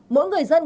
mỗi người dân